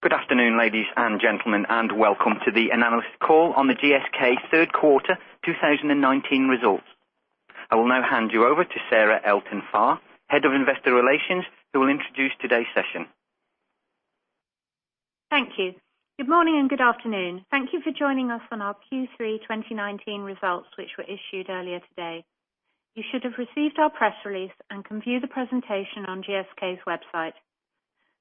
Good afternoon, ladies and gentlemen, and welcome to the analyst call on the GSK third quarter 2019 results. I will now hand you over to Sarah Elton-Farr, Head of Investor Relations, who will introduce today's session. Thank you. Good morning and good afternoon. Thank you for joining us on our Q3 2019 results, which were issued earlier today. You should have received our press release and can view the presentation on GSK's website.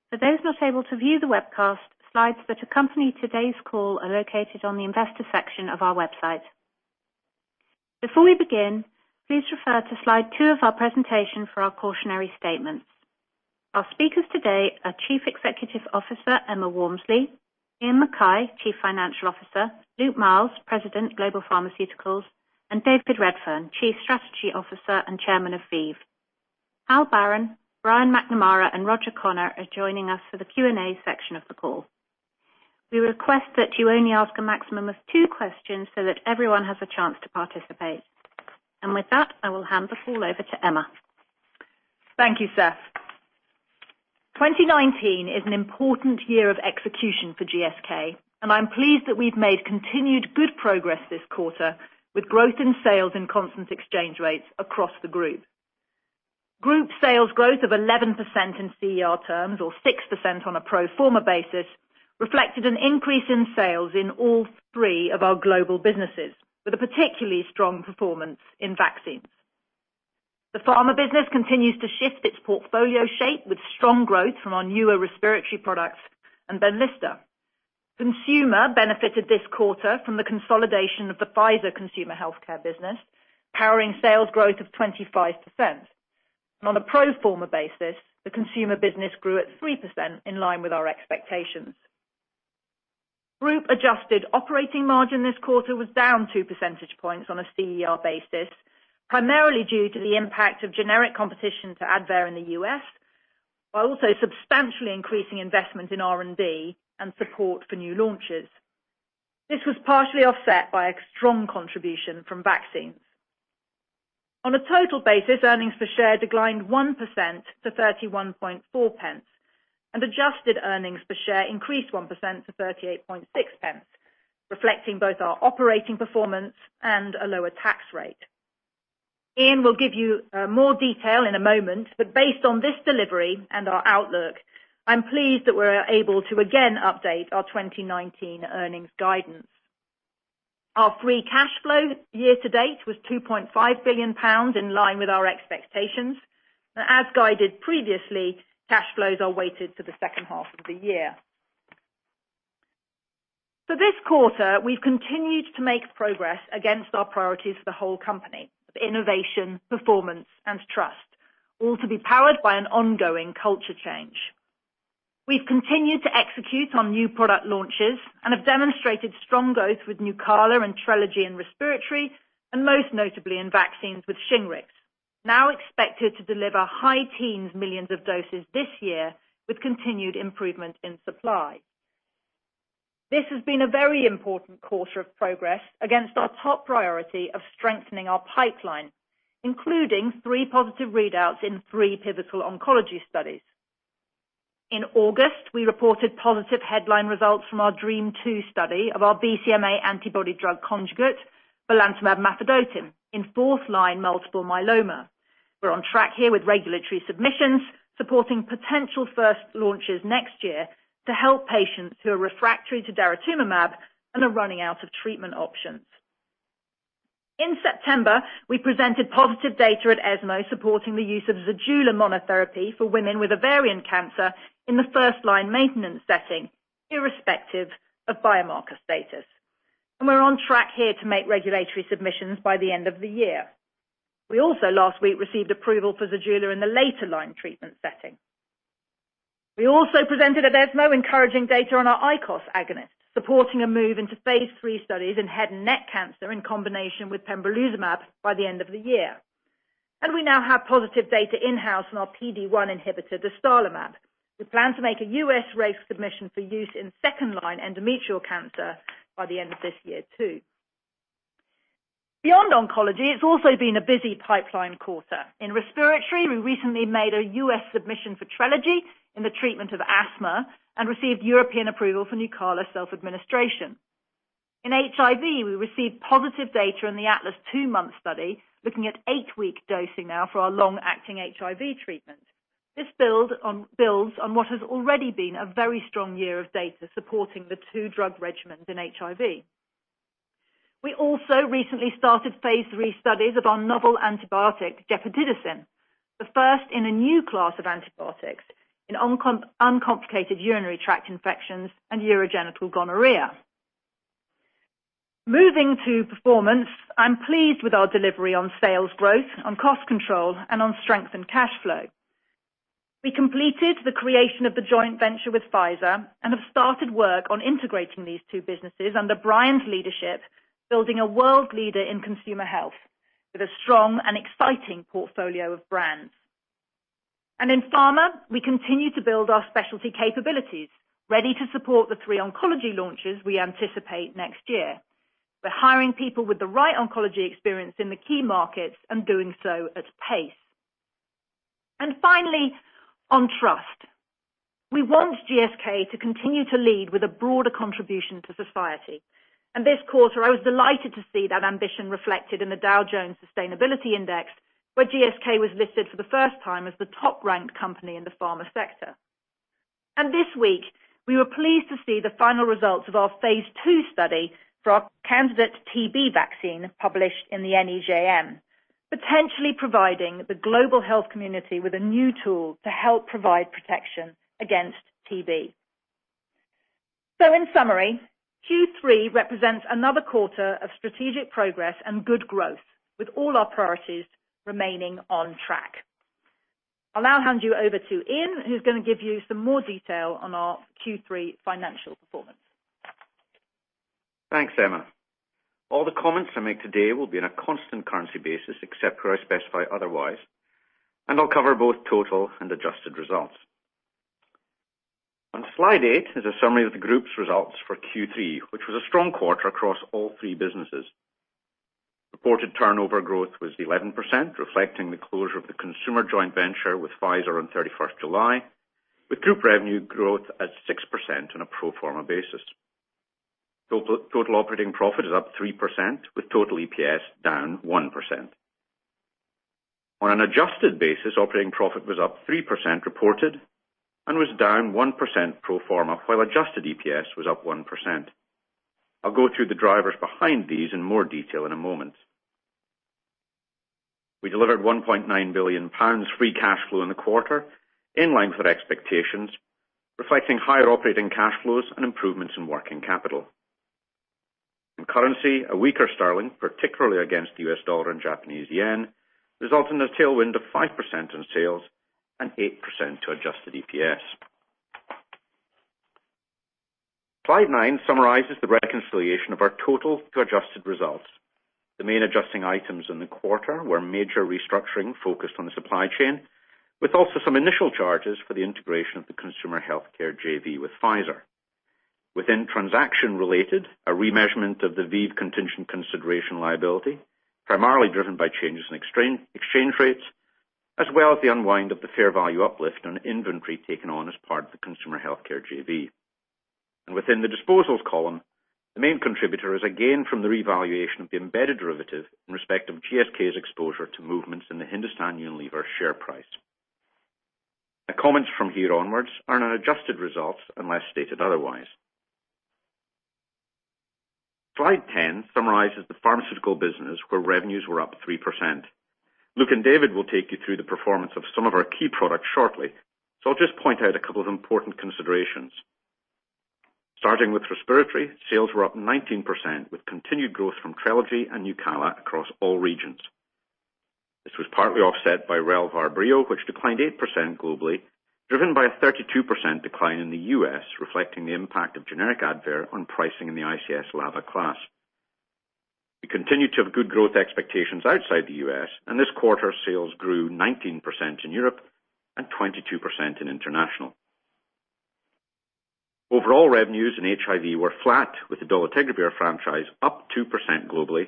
For those not able to view the webcast, slides that accompany today's call are located on the investor section of our website. Before we begin, please refer to Slide 2 of our presentation for our cautionary statements. Our speakers today are Chief Executive Officer, Emma Walmsley; Iain Mackay, Chief Financial Officer; Luke Miels, President, Global Pharmaceuticals; and David Redfern, Chief Strategy Officer and Chairman of ViiV. Hal Barron, Brian McNamara, and Roger Connor are joining us for the Q&A section of the call. We request that you only ask a maximum of two questions so that everyone has a chance to participate. With that, I will hand the call over to Emma. Thank you, Sarah. 2019 is an important year of execution for GSK. I'm pleased that we've made continued good progress this quarter with growth in sales in constant exchange rates across the group. Group sales growth of 11% in CER terms, or 6% on a pro forma basis, reflected an increase in sales in all three of our global businesses, with a particularly strong performance in vaccines. The pharma business continues to shift its portfolio shape with strong growth from our newer respiratory products and BENLYSTA. Consumer benefited this quarter from the consolidation of the Pfizer consumer healthcare business, powering sales growth of 25%. On a pro forma basis, the consumer business grew at 3% in line with our expectations. Group adjusted operating margin this quarter was down two percentage points on a CER basis, primarily due to the impact of generic competition to Advair in the U.S., while also substantially increasing investment in R&D and support for new launches. This was partially offset by a strong contribution from vaccines. On a total basis, earnings per share declined 1% to 0.314, and adjusted earnings per share increased 1% to 0.386, reflecting both our operating performance and a lower tax rate. Iain will give you more detail in a moment, but based on this delivery and our outlook, I'm pleased that we're able to again update our 2019 earnings guidance. Our free cash flow year to date was 2.5 billion pounds, in line with our expectations. Now, as guided previously, cash flows are weighted to the second half of the year. For this quarter, we've continued to make progress against our priorities for the whole company: innovation, performance, and trust, all to be powered by an ongoing culture change. We've continued to execute on new product launches and have demonstrated strong growth with Nucala and Trelegy in respiratory, and most notably in vaccines with Shingrix, now expected to deliver high teens millions of doses this year with continued improvement in supply. This has been a very important quarter of progress against our top priority of strengthening our pipeline, including three positive readouts in three pivotal oncology studies. In August, we reported positive headline results from our DREAMM-2 study of our BCMA antibody drug conjugate, belantamab mafodotin, in fourth-line multiple myeloma. We're on track here with regulatory submissions, supporting potential first launches next year to help patients who are refractory to daratumumab and are running out of treatment options. In September, we presented positive data at ESMO supporting the use of ZEJULA monotherapy for women with ovarian cancer in the first-line maintenance setting, irrespective of biomarker status. We're on track here to make regulatory submissions by the end of the year. We also last week received approval for ZEJULA in the later line treatment setting. We also presented at ESMO encouraging data on our ICOS agonist, supporting a move into phase III studies in head and neck cancer in combination with pembrolizumab by the end of the year. We now have positive data in-house on our PD-1 inhibitor, dostarlimab. We plan to make a U.S. regulatory submission for use in second-line endometrial cancer by the end of this year, too. Beyond oncology, it's also been a busy pipeline quarter. In respiratory, we recently made a U.S. submission for Trelegy in the treatment of asthma and received European approval for Nucala self-administration. In HIV, we received positive data in the ATLAS-2 Month study, looking at eight-week dosing now for our long-acting HIV treatment. This builds on what has already been a very strong year of data supporting the two-drug regimens in HIV. We also recently started phase III studies of our novel antibiotic, gepotidacin, the first in a new class of antibiotics in uncomplicated urinary tract infections and urogenital gonorrhea. Moving to performance, I'm pleased with our delivery on sales growth, on cost control, and on strength and cash flow. We completed the creation of the joint venture with Pfizer and have started work on integrating these two businesses under Brian's leadership, building a world leader in consumer health with a strong and exciting portfolio of brands. In pharma, we continue to build our specialty capabilities, ready to support the three oncology launches we anticipate next year. We're hiring people with the right oncology experience in the key markets and doing so at pace. Finally, on trust. We want GSK to continue to lead with a broader contribution to society. This quarter, I was delighted to see that ambition reflected in the Dow Jones Sustainability Index, where GSK was listed for the first time as the top-ranked company in the pharma sector. This week, we were pleased to see the final results of our phase II study for our candidate TB vaccine published in the NEJM, potentially providing the global health community with a new tool to help provide protection against TB. In summary, Q3 represents another quarter of strategic progress and good growth, with all our priorities remaining on track. I'll now hand you over to Iain, who's going to give you some more detail on our Q3 financial performance. Thanks, Emma. All the comments I make today will be on a constant currency basis, except where I specify otherwise, and I'll cover both total and adjusted results. On slide eight is a summary of the group's results for Q3, which was a strong quarter across all three businesses. Reported turnover growth was 11%, reflecting the closure of the consumer joint venture with Pfizer on 31st July, with group revenue growth at 6% on a pro forma basis. Total operating profit is up 3%, with total EPS down 1%. On an adjusted basis, operating profit was up 3% reported and was down 1% pro forma, while adjusted EPS was up 1%. I'll go through the drivers behind these in more detail in a moment. We delivered 1.9 billion pounds free cash flow in the quarter, in line with our expectations, reflecting higher operating cash flows and improvements in working capital. In currency, a weaker sterling, particularly against the US dollar and Japanese yen, resulting in a tailwind of 5% in sales and 8% to adjusted EPS. Slide nine summarizes the reconciliation of our total to adjusted results. The main adjusting items in the quarter were major restructuring focused on the supply chain, with also some initial charges for the integration of the Consumer Healthcare JV with Pfizer. Within transaction-related, a remeasurement of the ViiV contingent consideration liability, primarily driven by changes in exchange rates, as well as the unwind of the fair value uplift on inventory taken on as part of the Consumer Healthcare JV. Within the disposals column, the main contributor is a gain from the revaluation of the embedded derivative in respect of GSK's exposure to movements in the Hindustan Unilever share price. My comments from here onwards are on adjusted results, unless stated otherwise. Slide 10 summarizes the pharmaceutical business, where revenues were up 3%. Luke and David will take you through the performance of some of our key products shortly. I'll just point out a couple of important considerations. Starting with respiratory, sales were up 19%, with continued growth from Trelegy and Nucala across all regions. This was partly offset by Relvar/Breo, which declined 8% globally, driven by a 32% decline in the U.S., reflecting the impact of generic Advair on pricing in the ICS/LABA class. We continue to have good growth expectations outside the U.S. This quarter, sales grew 19% in Europe and 22% in international. Overall revenues in HIV were flat, with the dolutegravir franchise up 2% globally.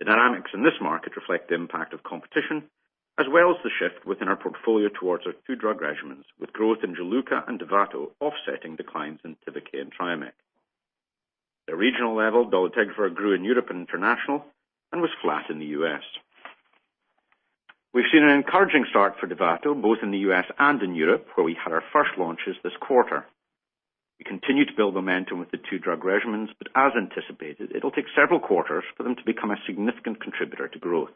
The dynamics in this market reflect the impact of competition, as well as the shift within our portfolio towards our two-drug regimens, with growth in Juluca and Dovato offsetting declines in Tivicay and Triumeq. At regional level, dolutegravir grew in Europe and international and was flat in the U.S. We've seen an encouraging start for Dovato, both in the U.S. and in Europe, where we had our first launches this quarter. We continue to build momentum with the two-drug regimens, as anticipated, it'll take several quarters for them to become a significant contributor to growth.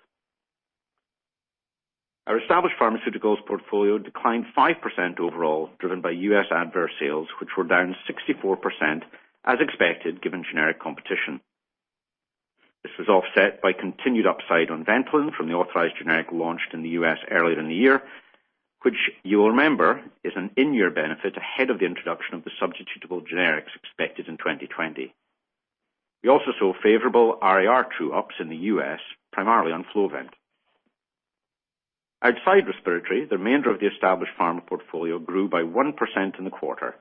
Our established pharmaceuticals portfolio declined 5% overall, driven by U.S. Advair sales, which were down 64%, as expected, given generic competition. This was offset by continued upside on Ventolin from the authorized generic launched in the U.S. earlier in the year, which you will remember is an in-year benefit ahead of the introduction of the substitutable generics expected in 2020. We also saw favorable RRR true-ups in the U.S., primarily on Flovent. Outside respiratory, the remainder of the established pharma portfolio grew by 1% in the quarter,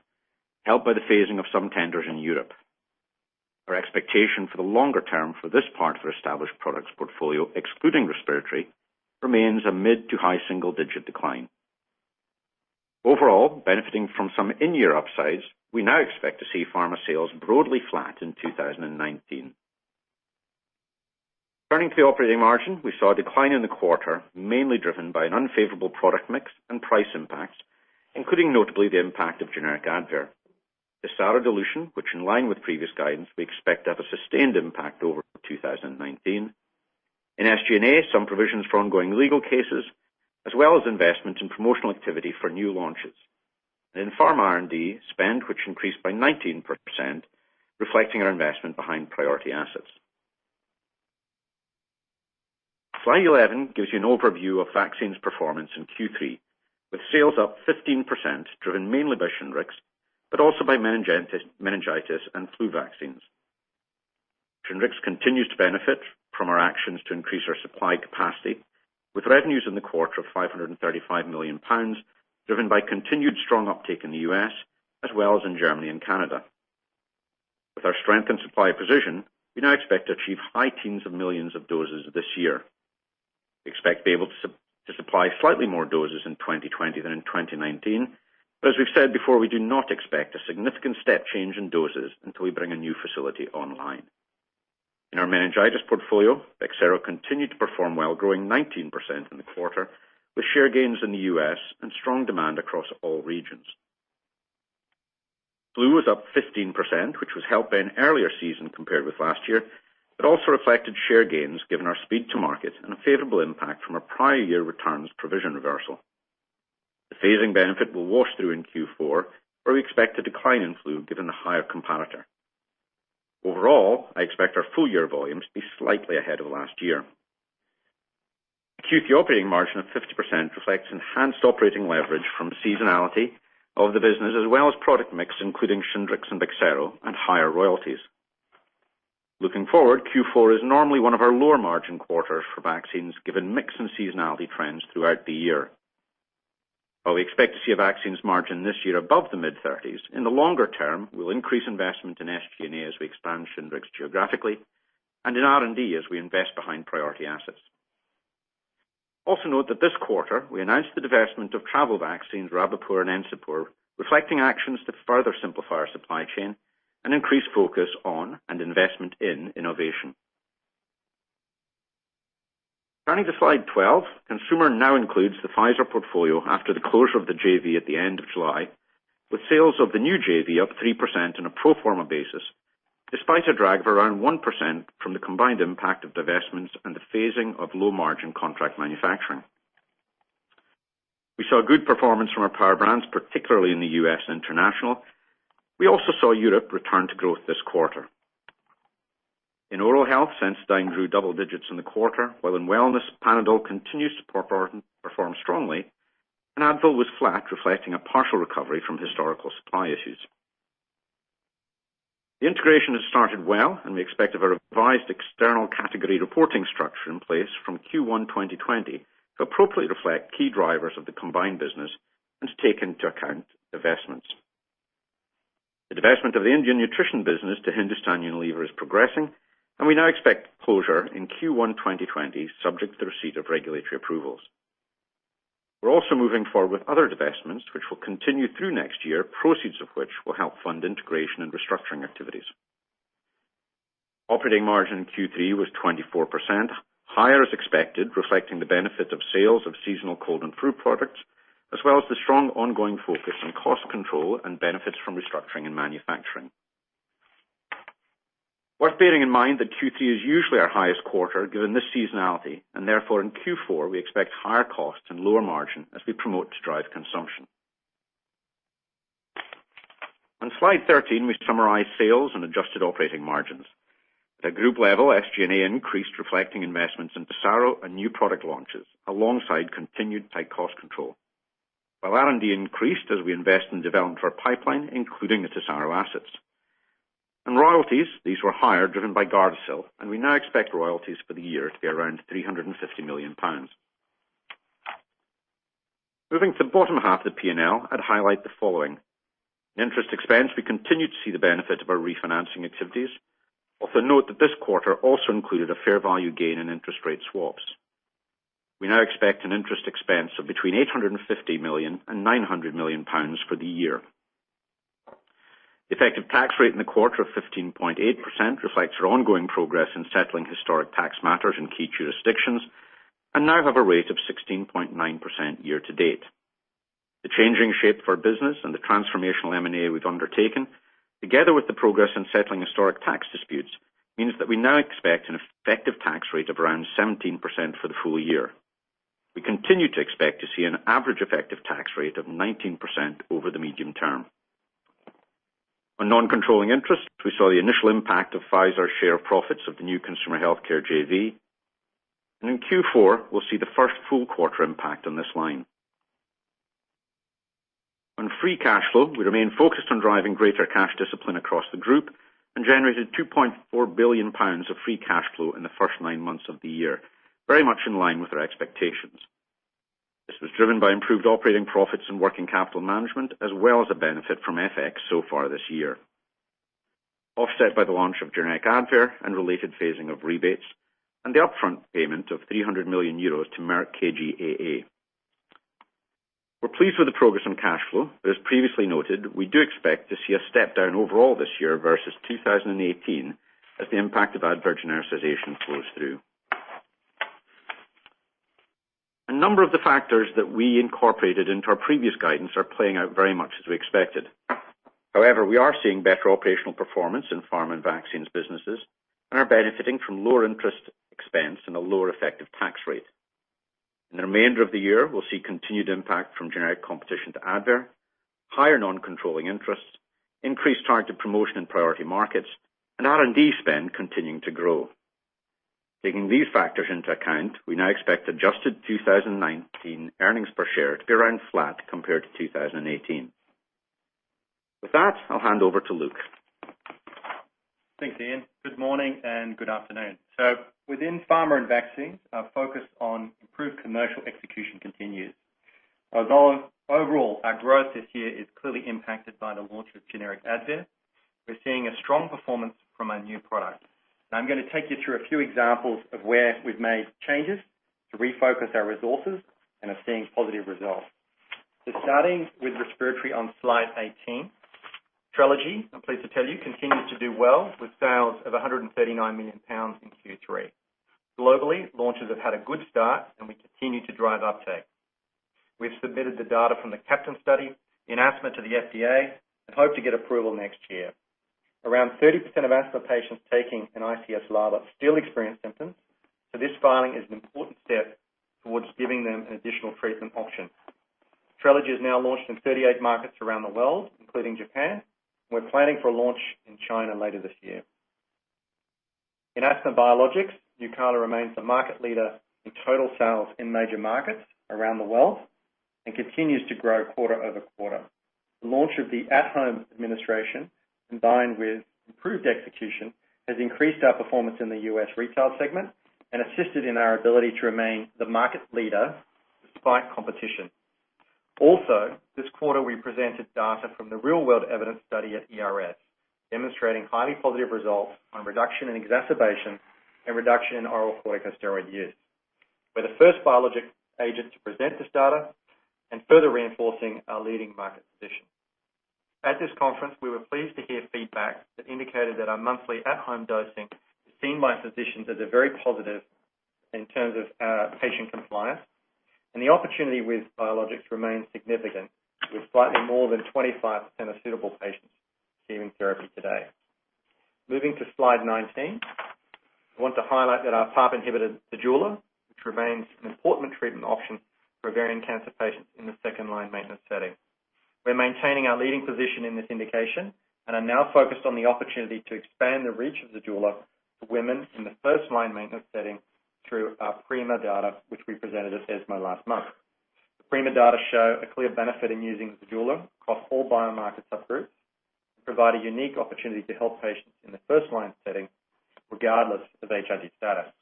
helped by the phasing of some tenders in Europe. Our expectation for the longer term for this part of our established products portfolio, excluding respiratory, remains a mid- to high single-digit decline. Overall, benefiting from some in-year upsides, we now expect to see pharma sales broadly flat in 2019. Turning to the operating margin, we saw a decline in the quarter, mainly driven by an unfavorable product mix and price impact, including notably the impact of generic Advair. Tesaro dilution, which in line with previous guidance, we expect to have a sustained impact over 2019. In SG&A, some provisions for ongoing legal cases, as well as investment in promotional activity for new launches. In Pharma R&D, spend, which increased by 19%, reflecting our investment behind priority assets. Slide 11 gives you an overview of vaccines performance in Q3, with sales up 15%, driven mainly by Shingrix, but also by meningitis and flu vaccines. Shingrix continues to benefit actions to increase our supply capacity, with revenues in the quarter of 535 million pounds, driven by continued strong uptake in the U.S., as well as in Germany and Canada. With our strength and supply position, we now expect to achieve high teens of millions of doses this year. We expect to be able to supply slightly more doses in 2020 than in 2019, but as we've said before, we do not expect a significant step change in doses until we bring a new facility online. In our meningitis portfolio, BEXSERO continued to perform well, growing 19% in the quarter, with share gains in the U.S. and strong demand across all regions. Flu was up 15%, which was helped by an earlier season compared with last year. It also reflected share gains, given our speed to market, and a favorable impact from our prior year returns provision reversal. The phasing benefit will wash through in Q4, where we expect a decline in flu, given the higher comparator. Overall, I expect our full-year volume to be slightly ahead of last year. Q3 operating margin of 50% reflects enhanced operating leverage from seasonality of the business, as well as product mix, including Shingrix and BEXSERO, and higher royalties. Looking forward, Q4 is normally one of our lower margin quarters for vaccines, given mix and seasonality trends throughout the year. While we expect to see a vaccines margin this year above the mid-30s, in the longer term, we'll increase investment in SG&A as we expand Shingrix geographically and in R&D as we invest behind priority assets. Note that this quarter we announced the divestment of travel vaccines Rabipur and Encepur, reflecting actions to further simplify our supply chain and increase focus on and investment in innovation. Turning to slide 12. Consumer now includes the Pfizer portfolio after the closure of the JV at the end of July, with sales of the new JV up 3% on a pro forma basis, despite a drag of around 1% from the combined impact of divestments and the phasing of low-margin contract manufacturing. We saw good performance from our power brands, particularly in the U.S. and international. We also saw Europe return to growth this quarter. In oral health, Sensodyne grew double digits in the quarter, while in wellness, Panadol continues to perform strongly, and Advil was flat, reflecting a partial recovery from historical supply issues. The integration has started well, and we expect a revised external category reporting structure in place from Q1 2020 to appropriately reflect key drivers of the combined business and to take into account divestments. The divestment of the Indian nutrition business to Hindustan Unilever is progressing, and we now expect closure in Q1 2020, subject to the receipt of regulatory approvals. We're also moving forward with other divestments which will continue through next year, proceeds of which will help fund integration and restructuring activities. Operating margin in Q3 was 24%, higher as expected, reflecting the benefit of sales of seasonal cold and flu products, as well as the strong ongoing focus on cost control and benefits from restructuring and manufacturing. Worth bearing in mind that Q3 is usually our highest quarter, given this seasonality, and therefore in Q4, we expect higher costs and lower margin as we promote to drive consumption. On slide 13, we summarize sales and adjusted operating margins. At a group level, SG&A increased, reflecting investments in Tesaro and new product launches, alongside continued tight cost control. While R&D increased as we invest in development for our pipeline, including the Tesaro assets. In royalties, these were higher, driven by Gardasil, and we now expect royalties for the year to be around 350 million pounds. Moving to the bottom half of the P&L, I'd highlight the following. Interest expense, we continue to see the benefit of our refinancing activities. Also note that this quarter also included a fair value gain in interest rate swaps. We now expect an interest expense of between 850 million and 900 million pounds for the year. The effective tax rate in the quarter of 15.8% reflects our ongoing progress in settling historic tax matters in key jurisdictions, and now have a rate of 16.9% year to date. The changing shape of our business and the transformational M&A we've undertaken, together with the progress in settling historic tax disputes, means that we now expect an effective tax rate of around 17% for the full year. We continue to expect to see an average effective tax rate of 19% over the medium term. On non-controlling interests, we saw the initial impact of Pfizer share profits of the new Consumer Healthcare JV. In Q4, we'll see the first full quarter impact on this line. On free cash flow, we remain focused on driving greater cash discipline across the group and generated 2.4 billion pounds of free cash flow in the first nine months of the year, very much in line with our expectations. This was driven by improved operating profits and working capital management, as well as a benefit from FX so far this year. Offset by the launch of generic Advair and related phasing of rebates and the upfront payment of €300 million to Merck KGaA. We're pleased with the progress on cash flow, but as previously noted, we do expect to see a step down overall this year versus 2018 as the impact of Advair genericization flows through. A number of the factors that we incorporated into our previous guidance are playing out very much as we expected. We are seeing better operational performance in pharm and vaccines businesses and are benefiting from lower interest expense and a lower effective tax rate. In the remainder of the year, we'll see continued impact from generic competition to Advair, higher non-controlling interests, increased targeted promotion in priority markets, and R&D spend continuing to grow. Taking these factors into account, we now expect adjusted 2019 earnings per share to be around flat compared to 2018. With that, I'll hand over to Luke. Thanks, Iain. Good morning and good afternoon. Within pharma and vaccines, our focus on improved commercial execution continues. Although overall, our growth this year is clearly impacted by the launch of generic Advair, we're seeing a strong performance from our new products. Now I'm going to take you through a few examples of where we've made changes to refocus our resources and are seeing positive results. Starting with respiratory on slide 18. Trelegy, I'm pleased to tell you, continues to do well with sales of 139 million pounds in Q3. Globally, launches have had a good start and we continue to drive uptake. We've submitted the data from the CAPTAIN study in asthma to the FDA and hope to get approval next year. Around 30% of asthma patients taking an ICS/LABA still experience symptoms, so this filing is an important step towards giving them an additional treatment option. Trelegy is now launched in 38 markets around the world, including Japan. We're planning for a launch in China later this year. In asthma biologics, Nucala remains the market leader in total sales in major markets around the world and continues to grow quarter-over-quarter. The launch of the at-home administration, combined with improved execution, has increased our performance in the U.S. retail segment and assisted in our ability to remain the market leader despite competition. Also, this quarter we presented data from the real-world evidence study at ERS, demonstrating highly positive results on reduction in exacerbation and reduction in oral corticosteroid use. We're the first biologic agent to present this data and further reinforcing our leading market position. At this conference, we were pleased to hear feedback that indicated that our monthly at-home dosing is seen by physicians as very positive in terms of patient compliance, and the opportunity with biologics remains significant, with slightly more than 25% of suitable patients receiving therapy today. Moving to slide 19. I want to highlight that our PARP inhibitor, ZEJULA, remains an important treatment option for ovarian cancer patients in the second-line maintenance setting. We're maintaining our leading position in this indication and are now focused on the opportunity to expand the reach of ZEJULA to women in the first-line maintenance setting through our PRIMA data, which we presented at ESMO last month. The PRIMA data show a clear benefit in using ZEJULA across all biomarker subgroups, provide a unique opportunity to help patients in the first-line setting, regardless of HIV status.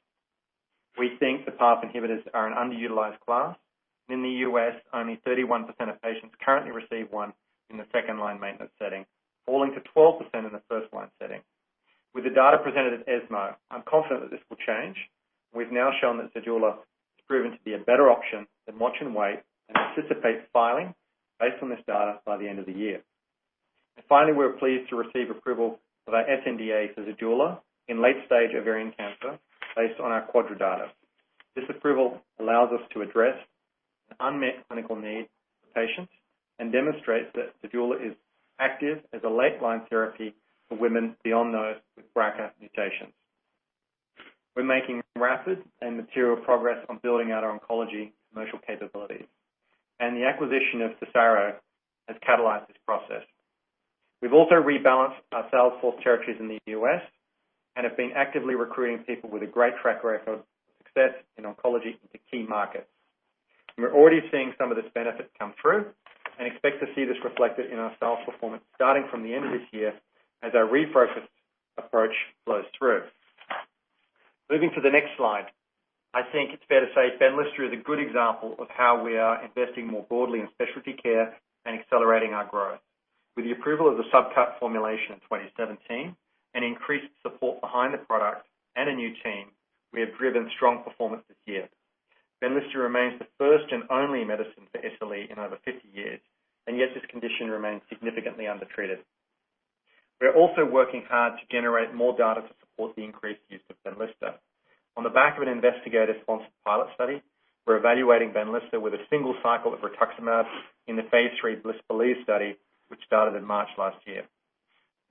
We think the PARP inhibitors are an underutilized class. In the U.S., only 31% of patients currently receive one in the second-line maintenance setting, falling to 12% in the first-line setting. With the data presented at ESMO, I'm confident that this will change. We've now shown that ZEJULA has proven to be a better option than watch and wait and anticipate filing based on this data by the end of the year. Finally, we're pleased to receive approval of our sNDA for ZEJULA in late-stage ovarian cancer based on our QUADRA data. This approval allows us to address the unmet clinical needs of patients and demonstrates that ZEJULA is active as a late-line therapy for women beyond those with BRCA mutations. We're making rapid and material progress on building out our oncology commercial capabilities, and the acquisition of Tesaro has catalyzed this process. We've also rebalanced our sales force territories in the U.S. and have been actively recruiting people with a great track record of success in oncology into key markets. We're already seeing some of this benefit come through and expect to see this reflected in our sales performance starting from the end of this year as our refocused approach flows through. Moving to the next slide. I think it's fair to say BENLYSTA is a good example of how we are investing more broadly in specialty care and accelerating our growth. With the approval of the subcut formulation in 2017 and increased support behind the product and a new team, we have driven strong performance this year. BENLYSTA remains the first and only medicine for SLE in over 50 years, and yet this condition remains significantly undertreated. We're also working hard to generate more data to support the increased use of Benlysta. On the back of an investigator-sponsored pilot study, we're evaluating Benlysta with a single cycle of rituximab in the phase III BLISS-BELIEVE study, which started in March last year.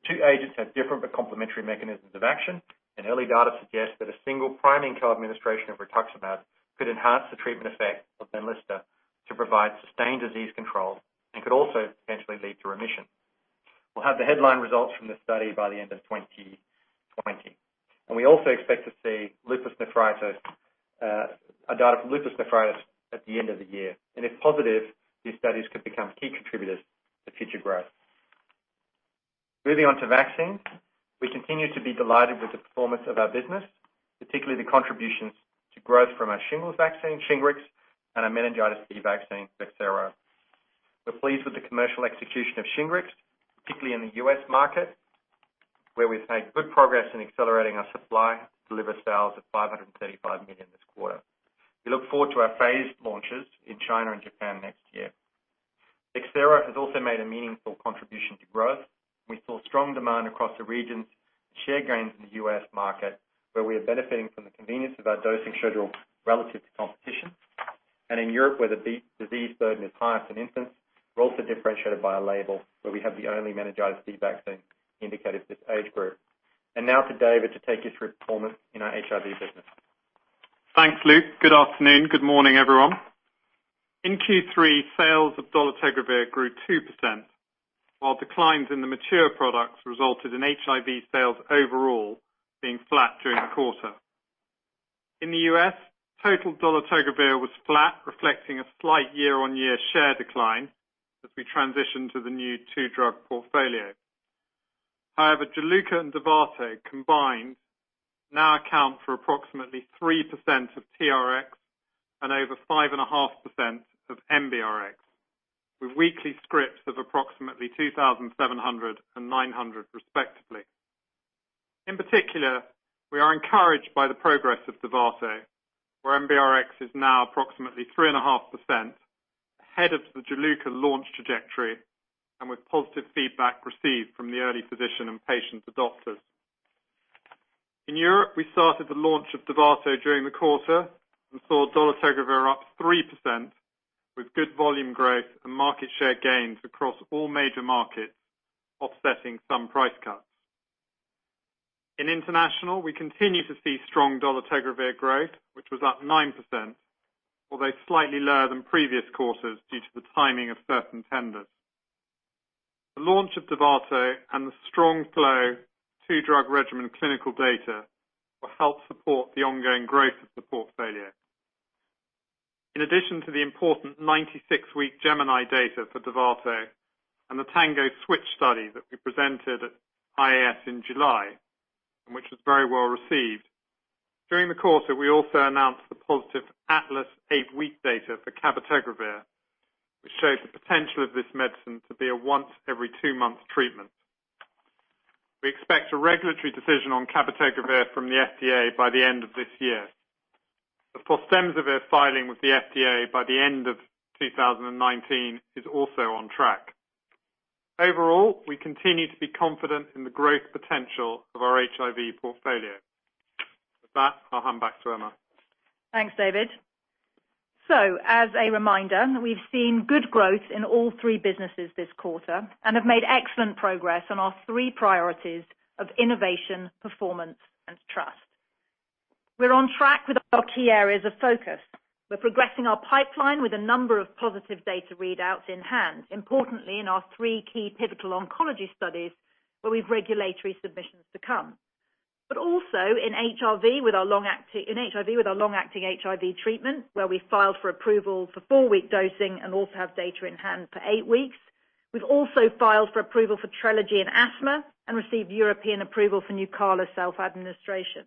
The two agents have different but complementary mechanisms of action, early data suggests that a single priming co-administration of rituximab could enhance the treatment effect of Benlysta to provide sustained disease control and could also potentially lead to remission. We'll have the headline results from this study by the end of 2020. We also expect to see data from lupus nephritis at the end of the year. If positive, these studies could become key contributors to future growth. Moving on to vaccines. We continue to be delighted with the performance of our business, particularly the contributions to growth from our shingles vaccine, Shingrix, and our meningitis C vaccine, BEXSERO. We're pleased with the commercial execution of Shingrix, particularly in the U.S. market, where we've made good progress in accelerating our supply to deliver sales of 535 million this quarter. We look forward to our phased launches in China and Japan next year. BEXSERO has also made a meaningful contribution to growth. We saw strong demand across the regions and share gains in the U.S. market, where we are benefiting from the convenience of our dosing schedule relative to competition. In Europe, where the disease burden is highest in infants, we're also differentiated by our label, where we have the only meningitis C vaccine indicated for this age group. Now for David to take you through performance in our HIV business. Thanks, Luke. Good afternoon, good morning, everyone. In Q3, sales of dolutegravir grew 2%, while declines in the mature products resulted in HIV sales overall being flat during the quarter. In the U.S., total dolutegravir was flat, reflecting a slight year-on-year share decline as we transition to the new two-drug portfolio. Juluca and Dovato combined now account for approximately 3% of TRX and over 5.5% of NBRx, with weekly scripts of approximately 2,700 and 900 respectively. In particular, we are encouraged by the progress of Dovato, where NBRx is now approximately 3.5% ahead of the Juluca launch trajectory, and with positive feedback received from the early physician and patient adopters. In Europe, we started the launch of Dovato during the quarter and saw dolutegravir up 3%, with good volume growth and market share gains across all major markets, offsetting some price cuts. In international, we continue to see strong dolutegravir growth, which was up 9%, although slightly lower than previous quarters due to the timing of certain tenders. The launch of Dovato and the strong flow of two-drug regimen clinical data will help support the ongoing growth of the portfolio. In addition to the important 96-week GEMINI data for Dovato and the TANGO switch study that we presented at IAS in July, and which was very well received, during the quarter, we also announced the positive ATLAS eight-week data for cabotegravir, which shows the potential of this medicine to be a once every two months treatment. We expect a regulatory decision on cabotegravir from the FDA by the end of this year. The fostemsavir filing with the FDA by the end of 2019 is also on track. Overall, we continue to be confident in the growth potential of our HIV portfolio. With that, I'll hand back to Emma. Thanks, David. As a reminder, we've seen good growth in all three businesses this quarter and have made excellent progress on our three priorities of innovation, performance, and trust. We're on track with our key areas of focus. We're progressing our pipeline with a number of positive data readouts in hand, importantly in our three key pivotal oncology studies, where we've regulatory submissions to come. Also in HIV with our long-acting HIV treatment, where we filed for approval for four-week dosing and also have data in hand for eight weeks. We've also filed for approval for Trelegy in asthma and received European approval for Nucala self-administration.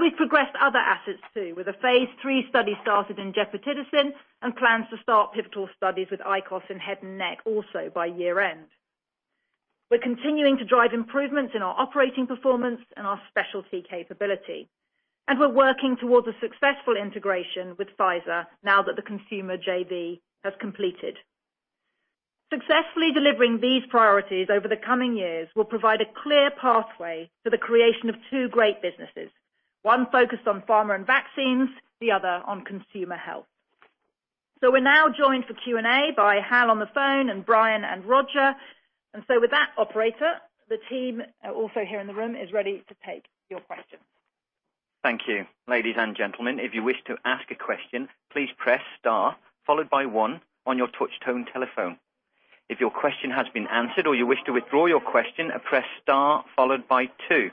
We've progressed other assets, too, with a phase III study started in gepotidacin and plans to start pivotal studies with ICOS in head and neck also by year-end. We're continuing to drive improvements in our operating performance and our specialty capability. We're working towards a successful integration with Pfizer now that the consumer JV has completed. Successfully delivering these priorities over the coming years will provide a clear pathway to the creation of two great businesses, one focused on pharma and vaccines, the other on consumer health. We're now joined for Q&A by Hal on the phone, and Brian and Roger. With that, operator, the team also here in the room is ready to take your questions. Thank you. Ladies and gentlemen, if you wish to ask a question, please press star followed by one on your touch tone telephone. If your question has been answered or you wish to withdraw your question, press star followed by two.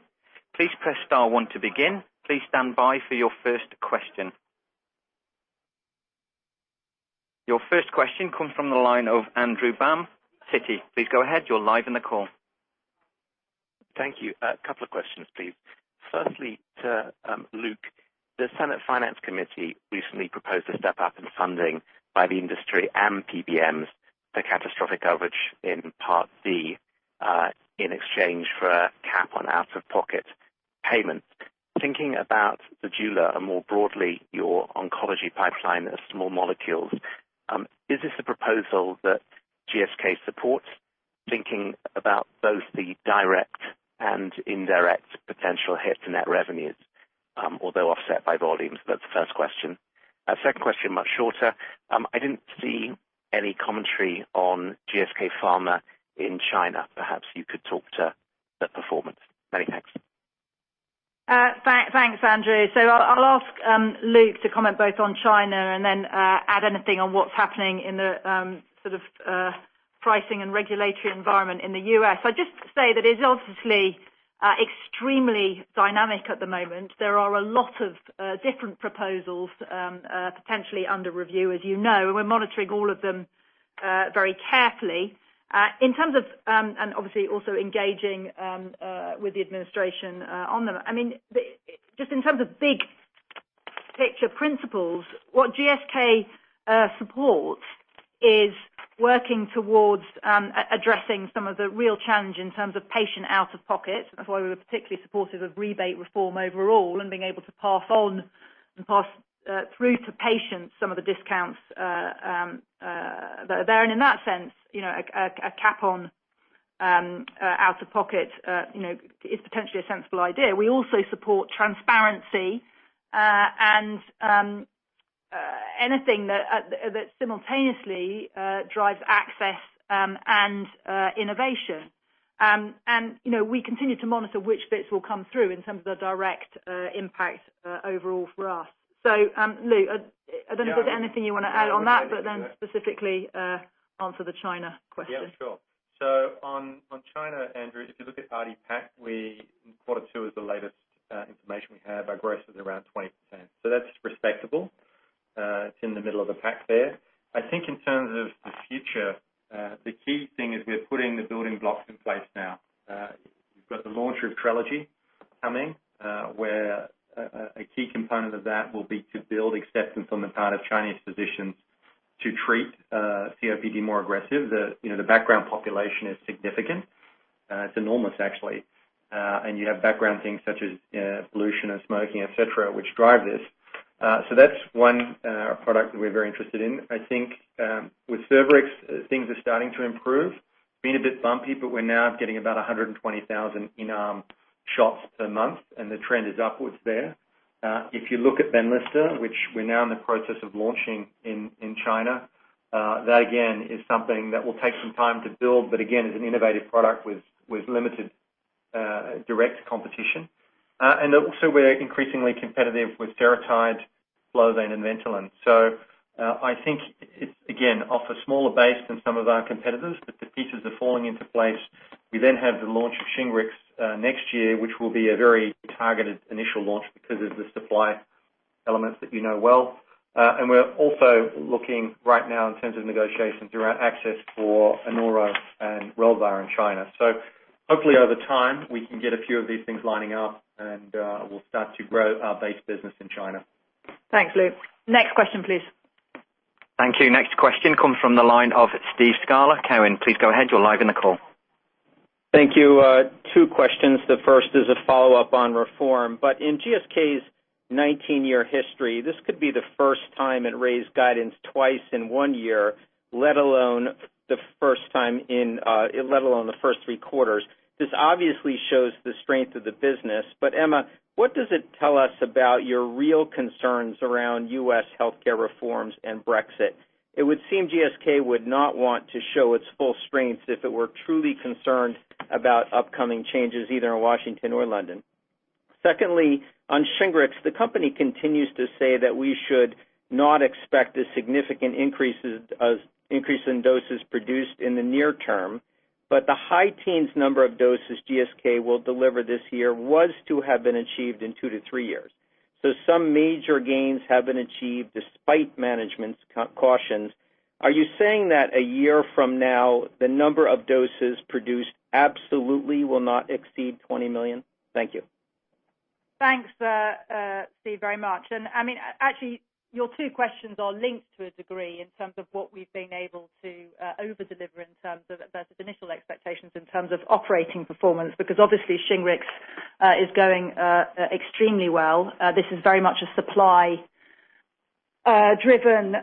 Please press star one to begin. Please stand by for your first question. Your first question comes from the line of Andrew Baum, Citi. Please go ahead. You are live on the call. Thank you. A couple of questions, please. Firstly, to Luke. The Senate Finance Committee recently proposed a step-up in funding by the industry and PBMs for catastrophic coverage in Medicare Part D, in exchange for a cap on out-of-pocket payments. Thinking about the Juluca and more broadly, your oncology pipeline of small molecules, is this a proposal that GSK supports, thinking about both the direct and indirect potential hit to net revenues, although offset by volumes? That's the first question. Second question, much shorter. I didn't see any commentary on GSK pharma in China. Perhaps you could talk to that performance. Many thanks. Thanks, Andrew. I'll ask Luke to comment both on China and then add anything on what's happening in the pricing and regulatory environment in the U.S. Just to say that it is obviously extremely dynamic at the moment. There are a lot of different proposals potentially under review, as you know, and we're monitoring all of them very carefully. Obviously also engaging with the administration on them. Just in terms of big picture principles, what GSK supports is working towards addressing some of the real challenge in terms of patient out-of-pocket. That's why we were particularly supportive of rebate reform overall and being able to pass on and pass through to patients some of the discounts that are there. In that sense, a cap on out-of-pocket is potentially a sensible idea. We also support transparency, and anything that simultaneously drives access and innovation. We continue to monitor which bits will come through in terms of the direct impact overall for us. Luke, I don't know if there's anything you want to add on that, specifically answer the China question. Yeah, sure. On China, Andrew, if you look at RDPAC, quarter two is the latest information we have. Our growth is around 20%. That's respectable. It's in the middle of the pack there. I think in terms of the future, the key thing is we are putting the building blocks in place now. We've got the launch of Trelegy coming, where a key component of that will be to build acceptance on the part of Chinese physicians to treat COPD more aggressive. The background population is significant. It's enormous, actually. You have background things such as pollution and smoking, et cetera, which drive this. That's one product that we're very interested in. I think with Shingrix, things are starting to improve. Been a bit bumpy, but we're now getting about 120,000 in-arm shots per month, and the trend is upwards there. If you look at BENLYSTA, which we're now in the process of launching in China, that again is something that will take some time to build, but again, is an innovative product with limited direct competition. Also we're increasingly competitive with Seretide, Flovent, and VENTOLIN. I think it, again, offers smaller base than some of our competitors, but the pieces are falling into place. We have the launch of Shingrix next year, which will be a very targeted initial launch because of the supply elements that you know well. We're also looking right now in terms of negotiation through our access for Anoro and Relvar in China. Hopefully over time, we can get a few of these things lining up and we'll start to grow our base business in China. Thanks, Luke. Next question, please. Thank you. Next question comes from the line of Steve Scala. TD Cowen, please go ahead. You're live on the call. Thank you. Two questions. The first is a follow-up on reform. In GSK's 19-year history, this could be the first time it raised guidance twice in one year, let alone the first three quarters. This obviously shows the strength of the business. Emma, what does it tell us about your real concerns around U.S. healthcare reforms and Brexit? It would seem GSK would not want to show its full strength if it were truly concerned about upcoming changes either in Washington or London. Secondly, on Shingrix, the company continues to say that we should not expect a significant increase in doses produced in the near term, but the high teens number of doses GSK will deliver this year was to have been achieved in two to three years. Some major gains have been achieved despite management's cautions. Are you saying that a year from now, the number of doses produced absolutely will not exceed 20 million? Thank you. Thanks, Steve, very much. Actually, your two questions are linked to a degree in terms of what we've been able to over-deliver in terms of initial expectations in terms of operating performance, because obviously Shingrix is going extremely well. This is very much a supply-driven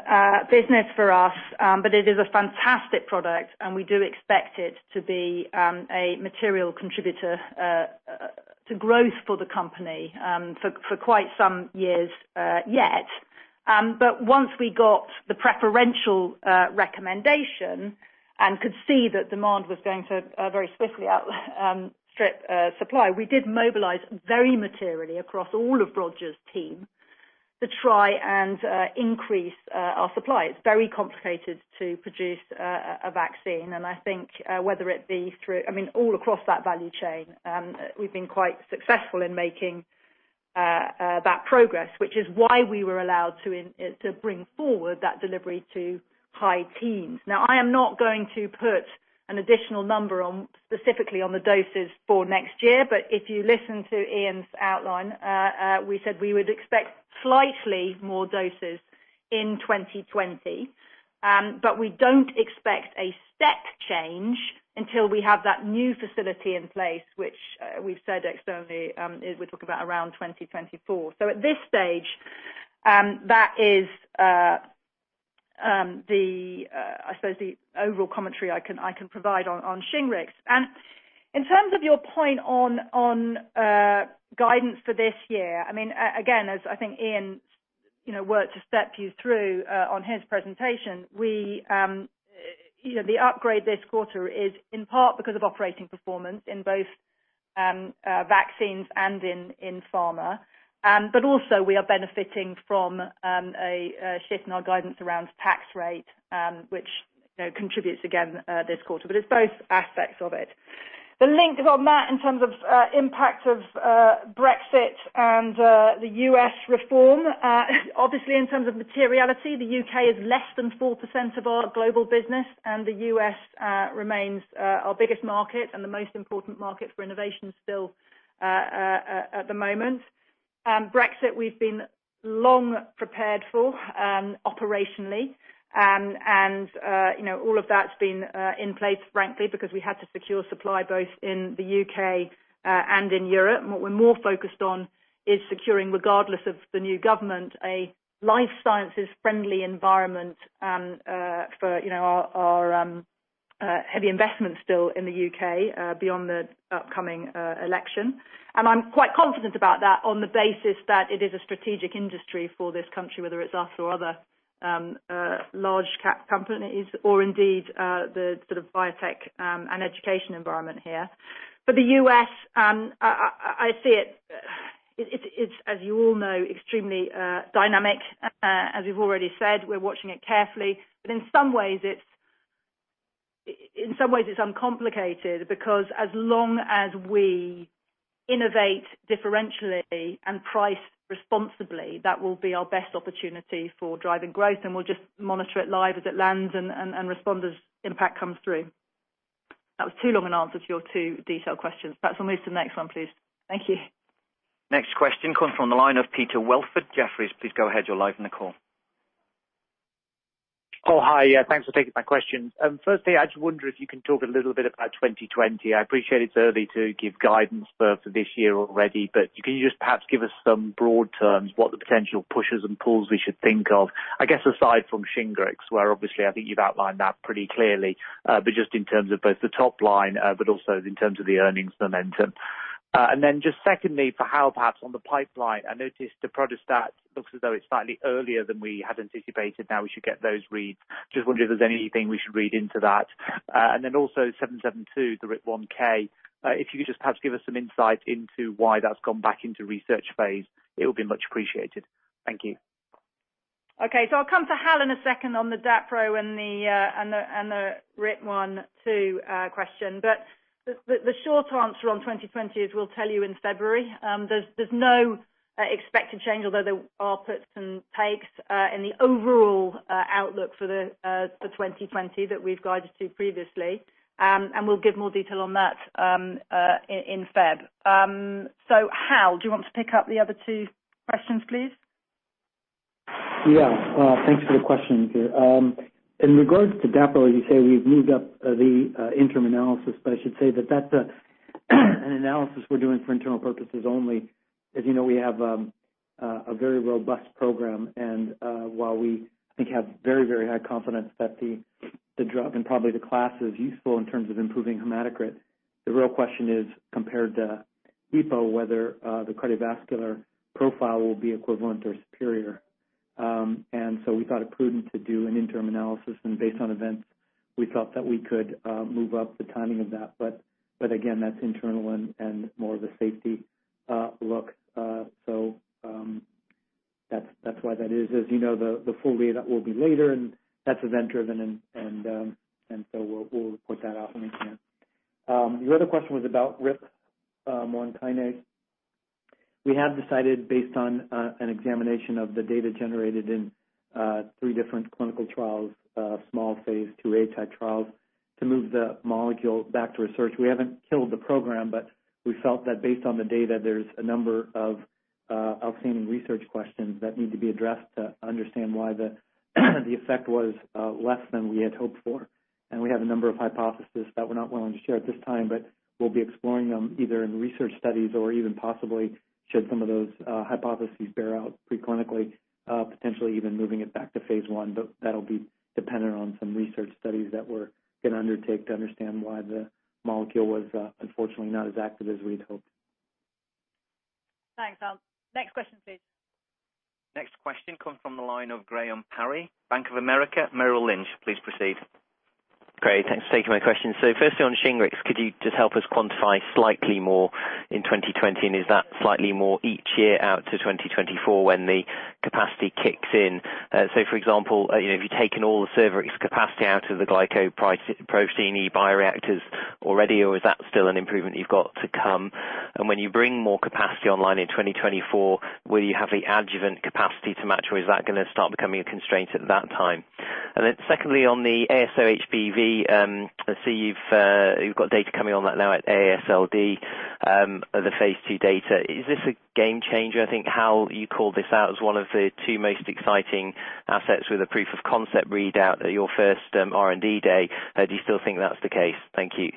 business for us, but it is a fantastic product, and we do expect it to be a material contributor to growth for the company for quite some years yet. Once we got the preferential recommendation and could see that demand was going to very swiftly outstrip supply, we did mobilize very materially across all of Roger’s team to try and increase our supply. It's very complicated to produce a vaccine. I think whether it be all across that value chain, we've been quite successful in making that progress, which is why we were allowed to bring forward that delivery to high teens. I am not going to put an additional number specifically on the doses for next year, but if you listen to Iain's outline, we said we would expect slightly more doses in 2020. We don't expect a step change until we have that new facility in place, which we've said externally, we're talking about around 2024. At this stage, that is the overall commentary I can provide on Shingrix. In terms of your point on guidance for this year, again, as I think Iain worked to step you through on his presentation, the upgrade this quarter is in part because of operating performance in both vaccines and in pharma. Also we are benefiting from a shift in our guidance around tax rate, which contributes again this quarter. It's both aspects of it. The link on that in terms of impact of Brexit and the U.S. reform, obviously in terms of materiality, the U.K. is less than 4% of our global business, and the U.S. remains our biggest market and the most important market for innovation still at the moment. Brexit, we've been long prepared for operationally. All of that's been in place, frankly, because we had to secure supply both in the U.K. and in Europe. What we're more focused on is securing, regardless of the new government, a life sciences friendly environment for our heavy investment still in the U.K. beyond the upcoming election. I'm quite confident about that on the basis that it is a strategic industry for this country, whether it's us or other large cap companies or indeed the sort of biotech and education environment here. The U.S., I see it's, as you all know, extremely dynamic. As we've already said, we're watching it carefully. In some ways it's uncomplicated because as long as we innovate differentially and price responsibly, that will be our best opportunity for driving growth, and we'll just monitor it live as it lands and respond as impact comes through. That was too long an answer to your two detailed questions. Perhaps we'll move to the next one, please. Thank you. Next question comes from the line of Peter Welford, Jefferies. Please go ahead. You're live in the call. Hal, hi. Thanks for taking my questions. I just wonder if you can talk a little bit about 2020. I appreciate it's early to give guidance for this year already, can you just perhaps give us some broad terms, what the potential pushes and pulls we should think of? I guess aside from Shingrix, where obviously I think you've outlined that pretty clearly, just in terms of both the top line, but also in terms of the earnings momentum. Just secondly, for Hal, perhaps on the pipeline, I noticed the Daprodustat looks as though it's slightly earlier than we had anticipated. We should get those reads. Just wondering if there's anything we should read into that. Also GSK2982772, the RIP1K, if you could just perhaps give us some insight into why that's gone back into research phase, it would be much appreciated. Thank you. Okay. I'll come to Hal in a second on the Dapro and the RIP1K question. The short answer on 2020 is we'll tell you in February. There's no expected change, although there are puts and takes in the overall outlook for 2020 that we've guided to previously. We'll give more detail on that in February. Hal, do you want to pick up the other two questions, please? Yeah. Thanks for the question, Peter. In regards to Daprodustat, as you say, we've moved up the interim analysis. I should say that that's an analysis we're doing for internal purposes only. As you know, we have a very robust program, while we, I think have very, very high confidence that the drug and probably the class is useful in terms of improving hematocrit, the real question is compared to EPO, whether the cardiovascular profile will be equivalent or superior. We thought it prudent to do an interim analysis, based on events, we felt that we could move up the timing of that. Again, that's internal and more of a safety look. That's why that is. As you know, the full data will be later, that's event-driven, we'll put that out when we can. Your other question was about RIP1 kinase. We have decided based on an examination of the data generated in three different clinical trials, small phase II-A type trials, to move the molecule back to research. We haven't killed the program, but we felt that based on the data, there's a number of outstanding research questions that need to be addressed to understand why the effect was less than we had hoped for. We have a number of hypotheses that we're not willing to share at this time, but we'll be exploring them either in research studies or even possibly should some of those hypotheses bear out pre-clinically, potentially even moving it back to phase I. That'll be dependent on some research studies that we're going to undertake to understand why the molecule was unfortunately not as active as we'd hoped. Thanks, Hal. Next question, please. Next question comes from the line of Graham Parry, Bank of America Merrill Lynch. Please proceed. Great. Thanks for taking my question. Firstly on Shingrix, could you just help us quantify slightly more in 2020? Is that slightly more each year out to 2024 when the capacity kicks in? For example, if you've taken all the Shingrix capacity out of the glycoprotein E bioreactors already, or is that still an improvement you've got to come? When you bring more capacity online in 2024, will you have the adjuvant capacity to match, or is that going to start becoming a constraint at that time? Secondly, on the ASO HBV, I see you've got data coming on that now at AASLD, the phase II data. Is this a game changer? I think, Hal, you called this out as one of the two most exciting assets with a proof of concept readout at your first R&D day. Do you still think that's the case? Thank you.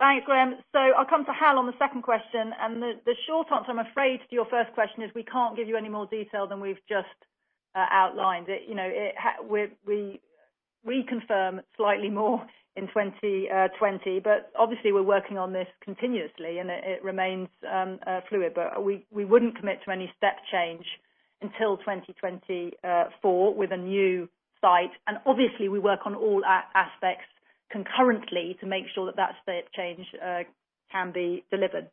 Thanks, Graham. I'll come to Hal on the second question. The short answer, I'm afraid to your first question is we can't give you any more detail than we've just outlined. We reconfirm slightly more in 2020, obviously we're working on this continuously, and it remains fluid. We wouldn't commit to any step change until 2024 with a new site. Obviously we work on all aspects concurrently to make sure that step change can be delivered.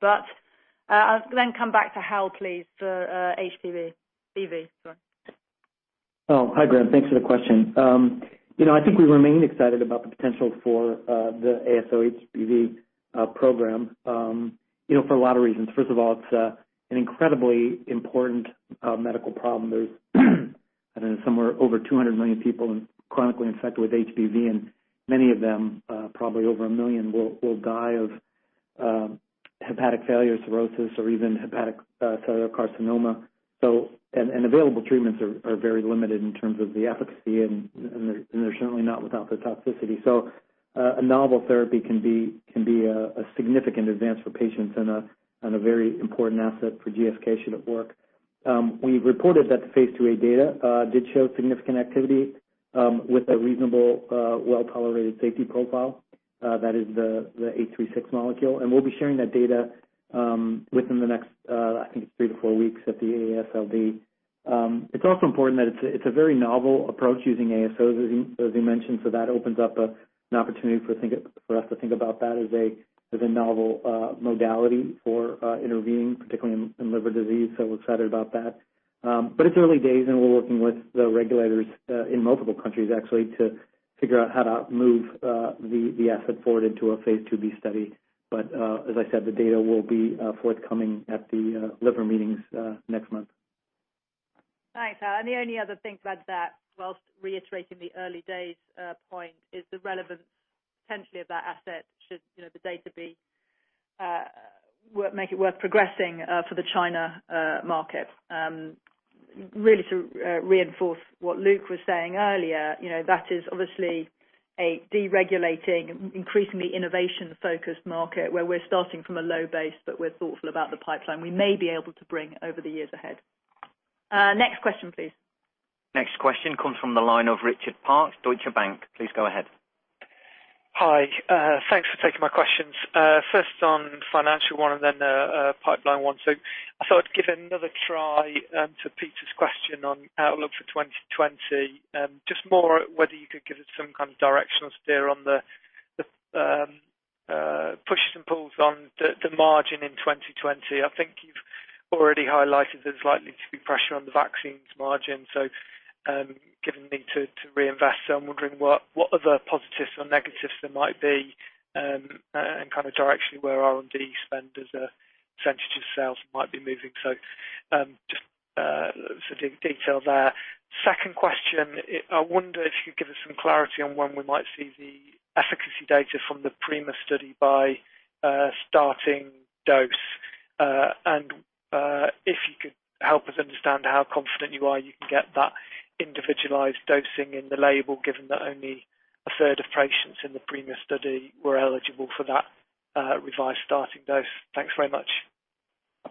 Come back to Hal, please, for HBV. Sorry. Hi Graham. Thanks for the question. I think we remain excited about the potential for the ASO HBV program for a lot of reasons. First of all, it's an incredibly important medical problem. There's, I don't know, somewhere over 200 million people chronically infected with HBV, and many of them, probably over 1 million, will die of hepatic failure, cirrhosis, or even hepatic carcinoma. Available treatments are very limited in terms of the efficacy, and they're certainly not without the toxicity. A novel therapy can be a significant advance for patients and a very important asset for GSK should it work. We reported that the phase II-A data did show significant activity with a reasonable well-tolerated safety profile. That is the A36 molecule. We'll be sharing that data within the next, I think, three to four weeks at the AASLD. It's also important that it's a very novel approach using ASOs, as you mentioned. That opens up an opportunity for us to think about that as a novel modality for intervening, particularly in liver disease. We're excited about that. It's early days, and we're working with the regulators in multiple countries, actually, to figure out how to move the asset forward into a Phase IIB study. As I said, the data will be forthcoming at the liver meetings next month. Thanks. The only other thing about that, whilst reiterating the early days point, is the relevance, potentially, of that asset should the data make it worth progressing for the China market. Really to reinforce what Luke was saying earlier, that is obviously a deregulating, increasingly innovation-focused market where we're starting from a low base, but we're thoughtful about the pipeline we may be able to bring over the years ahead. Next question, please. Next question comes from the line of Richard Parkes, Deutsche Bank. Please go ahead. Hi. Thanks for taking my questions. First on financial one and then a pipeline one. I thought I'd give another try to Peter's question on outlook for 2020. Just more whether you could give us some kind of directional steer on the pushes and pulls on the margin in 2020. I think you've already highlighted there's likely to be pressure on the vaccines margin. Given the need to reinvest, I'm wondering what other positives or negatives there might be, and kind of directionally where R&D spend as a % of sales might be moving. Just sort of detail there. Second question, I wonder if you could give us some clarity on when we might see the efficacy data from the PRIMA study by starting dose. If you could help us understand how confident you are you can get that individualized dosing in the label, given that only a third of patients in the PRIMA study were eligible for that revised starting dose. Thanks very much.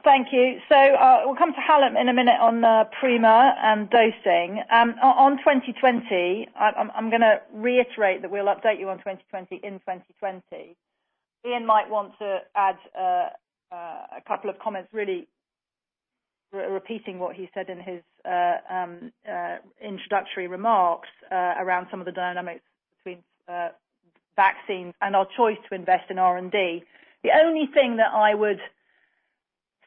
Thank you. We'll come to Hal in a minute on PRIMA and dosing. On 2020, I'm going to reiterate that we'll update you on 2020 in 2020. Iain might want to add a couple of comments really repeating what he said in his introductory remarks around some of the dynamics between vaccines and our choice to invest in R&D. The only thing that I would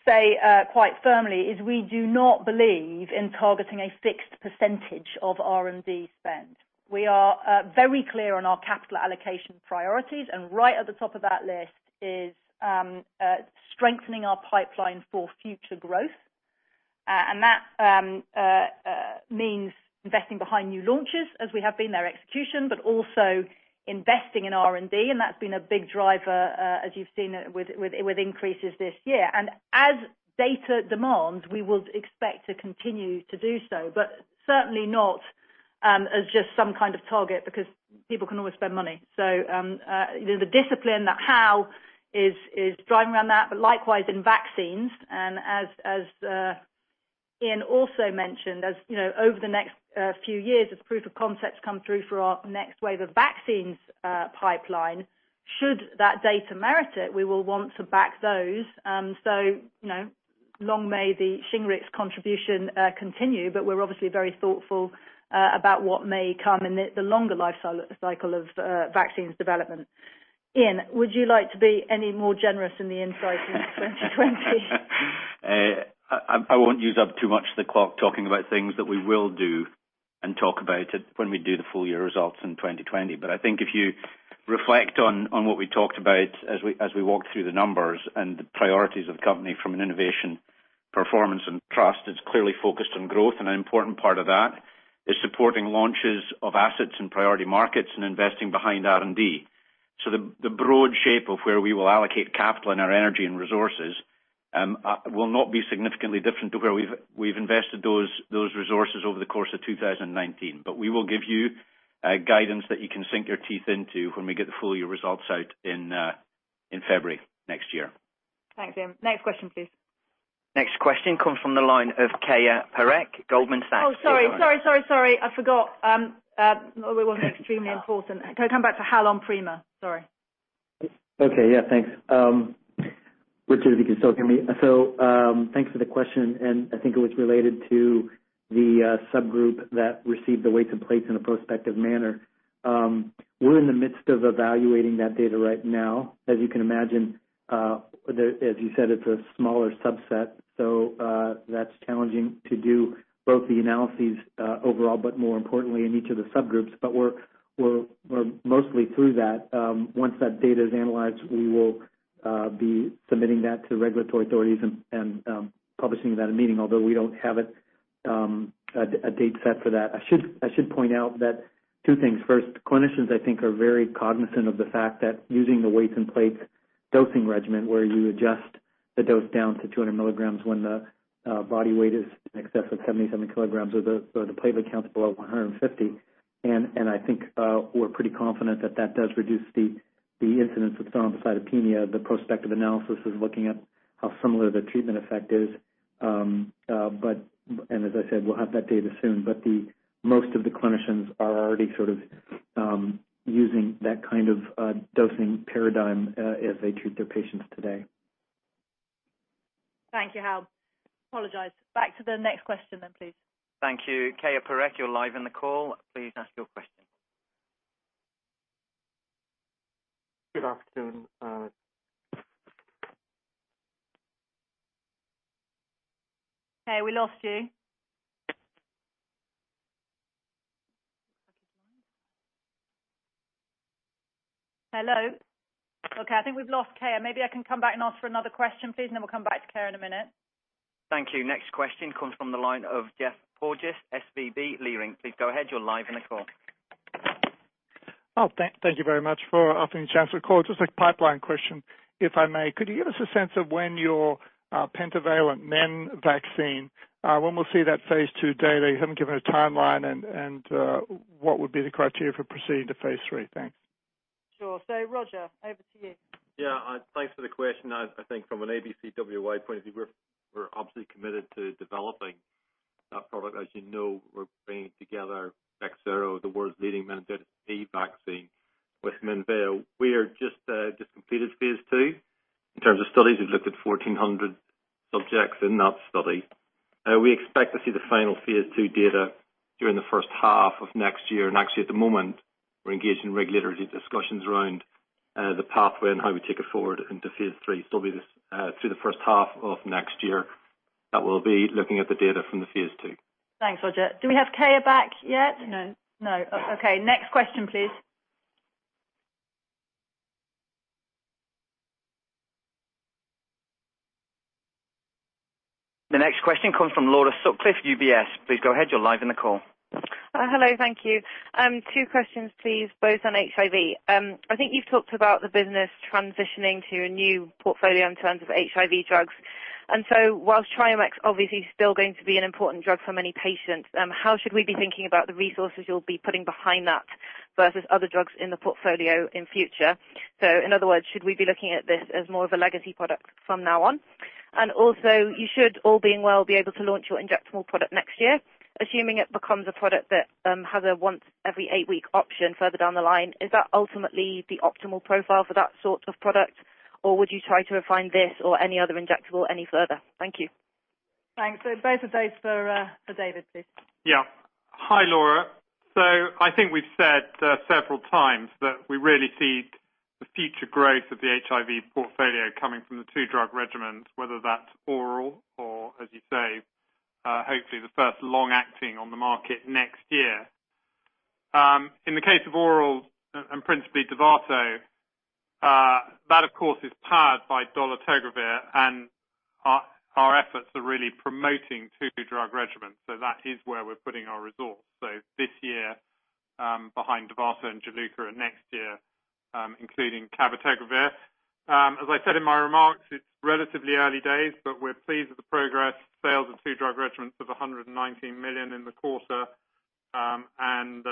say quite firmly is we do not believe in targeting a fixed percentage of R&D spend. We are very clear on our capital allocation priorities, and right at the top of that list is strengthening our pipeline for future growth. That means investing behind new launches as we have been, their execution, but also investing in R&D, and that's been a big driver as you've seen with increases this year. As data demands, we would expect to continue to do so, but certainly not as just some kind of target because people can always spend money. The discipline that Iain is driving around that, but likewise in vaccines. As Iain also mentioned, over the next few years as proof of concepts come through for our next wave of vaccines pipeline, should that data merit it, we will want to back those. Long may the Shingrix contribution continue, but we're obviously very thoughtful about what may come in the longer life cycle of vaccines development. Iain, would you like to be any more generous in the insight in 2020? I won't use up too much of the clock talking about things that we will do and talk about it when we do the full year results in 2020. I think if you reflect on what we talked about as we walked through the numbers and the priorities of the company from an innovation, performance, and trust, it's clearly focused on growth. An important part of that is supporting launches of assets in priority markets and investing behind R&D. The broad shape of where we will allocate capital and our energy and resources will not be significantly different to where we've invested those resources over the course of 2019. We will give you guidance that you can sink your teeth into when we get the full year results out in February next year. Thanks, Iain. Next question, please. Next question comes from the line of Keyur Parekh, Goldman Sachs. Oh, sorry. I forgot. We weren't extremely important. Can I come back to Hal on PRIMA? Sorry. Okay. Yeah, thanks. Richard, if you can still hear me. Thanks for the question, and I think it was related to the subgroup that received the weight and platelets in a prospective manner. We're in the midst of evaluating that data right now. As you can imagine, as you said, it's a smaller subset, so that's challenging to do both the analyses overall, but more importantly in each of the subgroups. We're mostly through that. Once that data is analyzed, we will be submitting that to regulatory authorities and publishing it at a meeting, although we don't have a date set for that. I should point out two things. First, clinicians, I think, are very cognizant of the fact that using the weight and platelets dosing regimen where you adjust the dose down to 200 milligrams when the body weight is in excess of 77 kilograms or the platelet count's below 150, and I think we're pretty confident that that does reduce the incidence of thrombocytopenia. The prospective analysis is looking at how similar the treatment effect is. As I said, we'll have that data soon, but most of the clinicians are already sort of using that kind of dosing paradigm as they treat their patients today. Thank you, Hal. Apologize. Back to the next question, please. Thank you. Keyur Parekh, you're live on the call, please ask your question. Good afternoon, Kayur, we lost you. Hello? Okay, I think we've lost Kayur. Maybe I can come back and ask for another question, please, and then we'll come back to Kayur in one minute. Thank you. Next question comes from the line of Geoff Porges, SVB Leerink. Please go ahead. You're live on the call. Thank you very much for offering the chance to call. A pipeline question, if I may. Could you give us a sense of when your pentavalent Men vaccine, when we'll see that phase II data? You haven't given a timeline, what would be the criteria for proceeding to phase III? Thanks. Sure. Roger, over to you. Yeah. Thanks for the question. I think from an ABCWY point of view, we're obviously committed to developing that product. As you know, we're bringing together BEXSERO, the world's leading meningitis B vaccine, with Menveo. We just completed phase II. In terms of studies, we've looked at 1,400 subjects in that study. Actually, at the moment, we're engaged in regulatory discussions around the pathway and how we take it forward into phase III. It'll be through the first half of next year that we'll be looking at the data from the phase II. Thanks, Roger. Do we have Keyur back yet? No. Okay. Next question, please. The next question comes from Laura Sutcliffe, UBS. Please go ahead. You're live on the call. Hello, thank you. Two questions, please, both on HIV. I think you've talked about the business transitioning to a new portfolio in terms of HIV drugs. Whilst Triumeq's obviously still going to be an important drug for many patients, how should we be thinking about the resources you'll be putting behind that versus other drugs in the portfolio in future? In other words, should we be looking at this as more of a legacy product from now on? You should, all being well, be able to launch your injectable product next year. Assuming it becomes a product that has a once every 8-week option further down the line, is that ultimately the optimal profile for that sort of product? Would you try to refine this or any other injectable any further? Thank you. Thanks. Both of those for David, please. Yeah. Hi, Laura. I think we've said several times that we really see the future growth of the HIV portfolio coming from the two-drug regimens, whether that's oral or, as you say, hopefully the first long-acting on the market next year. In the case of oral, and principally Dovato, that of course is powered by dolutegravir. Our efforts are really promoting two-drug regimens. That is where we're putting our resource. This year, behind Dovato and Juluca, and next year, including cabotegravir. As I said in my remarks, it's relatively early days, but we're pleased with the progress. Sales of two-drug regimens of 119 million in the quarter, and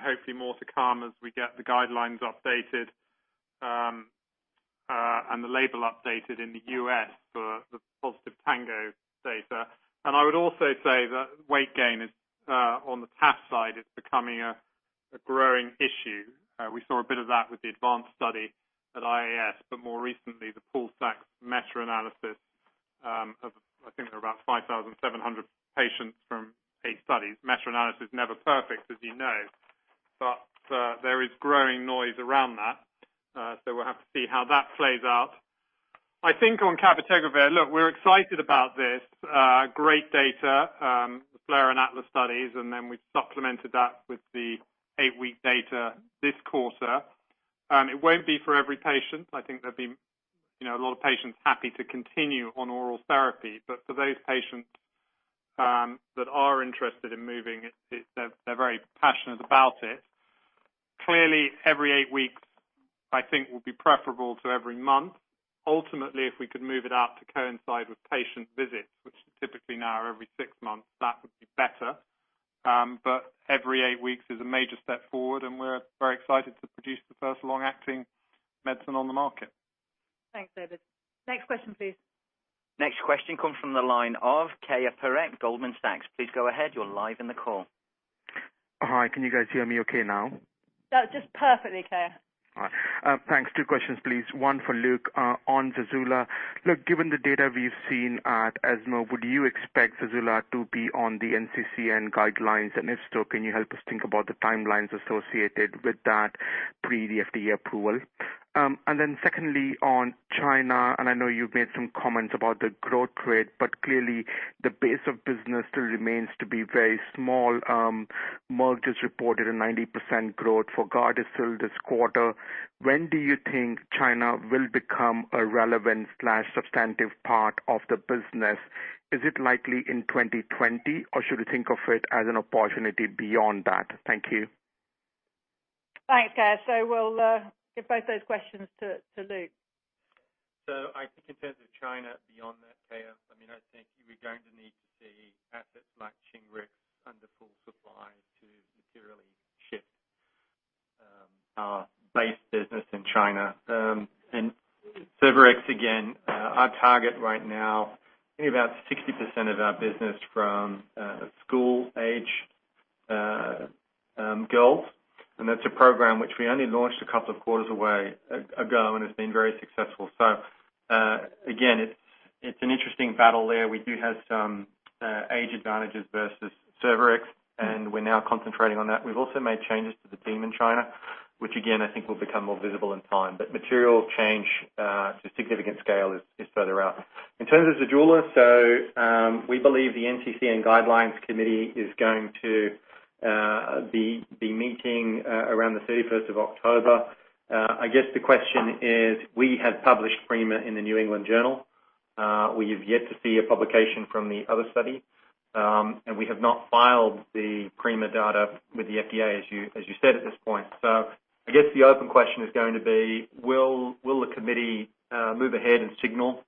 hopefully more to come as we get the guidelines updated, and the label updated in the U.S. for the positive TANGO data. I would also say that weight gain on the TAF side is becoming a growing issue. We saw a bit of that with the ADVANCE study at IAS, more recently, the pooled meta-analysis of, I think there were about 5,700 patients from eight studies. Meta-analysis is never perfect, as you know. There is growing noise around that, we'll have to see how that plays out. I think on cabotegravir, look, we're excited about this. Great data, FLAIR and ATLAS studies, we've supplemented that with the eight-week data this quarter. It won't be for every patient. I think there'd be a lot of patients happy to continue on oral therapy. For those patients that are interested in moving, they're very passionate about it. Clearly, every eight weeks, I think, will be preferable to every month. Ultimately, if we could move it out to coincide with patient visits, which typically now are every six months, that would be better. Every eight weeks is a major step forward, and we're very excited to produce the first long-acting medicine on the market. Thanks, David. Next question, please. Next question comes from the line of Keyur Parekh, Goldman Sachs. Please go ahead. You're live in the call. Hi. Can you guys hear me okay now? Just perfectly, Keyur. All right. Thanks. Two questions, please. One for Luke on ZEJULA. Look, given the data we've seen at ESMO, would you expect ZEJULA to be on the NCCN guidelines? If so, can you help us think about the timelines associated with that pre the FDA approval? Secondly, on China, and I know you've made some comments about the growth rate, but clearly the base of business still remains to be very small. Merck just reported a 90% growth for GARDASIL this quarter. When do you think China will become a relevant/substantive part of the business? Is it likely in 2020, or should we think of it as an opportunity beyond that? Thank you. Thanks, Keyur. We'll give both those questions to Luke. I think in terms of China, beyond that, Keyur, I think we're going to need to see assets like Shingrix under full supply to materially shift. Our base business in China. Cervarix, again, our target right now, maybe about 60% of our business from school-age girls. That's a program which we only launched a couple of quarters ago, and it's been very successful. Again, it's an interesting battle there. We do have some age advantages versus Cervarix, and we're now concentrating on that. We've also made changes to the team in China, which again, I think will become more visible in time. Material change to significant scale is further out. In terms of ZEJULA, we believe the NCCN guidelines committee is going to be meeting around the 31st of October. I guess the question is, we have published PRIMA in The New England Journal. We have yet to see a publication from the other study, and we have not filed the PRIMA data with the FDA, as you said, at this point. I guess the open question is going to be, will the committee move ahead and signal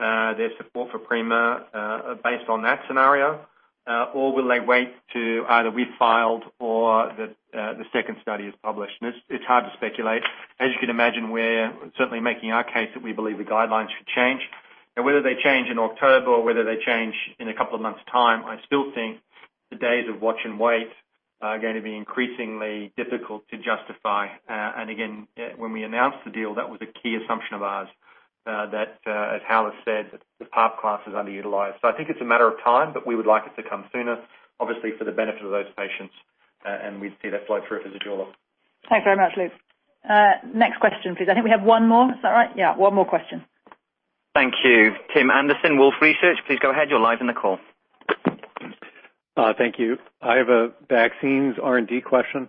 their support for PRIMA based on that scenario? Will they wait to either we've filed or the second study is published. It's hard to speculate. As you can imagine, we're certainly making our case that we believe the guidelines should change. Now, whether they change in October or whether they change in a couple of months' time, I still think the days of watch and wait are going to be increasingly difficult to justify. Again, when we announced the deal, that was a key assumption of ours, that, as Hal has said, that the PARP class is underutilized. I think it's a matter of time, but we would like it to come sooner, obviously, for the benefit of those patients, and we'd see that flow through for ZEJULA. Thanks very much, Luke. Next question, please. I think we have one more. Is that right? Yeah, one more question. Thank you. Tim Anderson, Wolfe Research. Please go ahead. You're live in the call. Thank you. I have a vaccines R&D question.